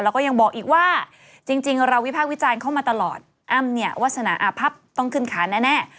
แล้วก็ยังบอกอีกว่าจริงเราวิพากษ์วิจารณ์เข้ามาตลอดอ้ำเนี่ยวาสนาอาพับต้องขึ้นขาแน่